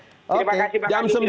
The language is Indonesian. terima kasih bang jansen